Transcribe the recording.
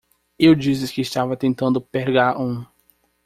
Eu disse que estava tentando pegar um.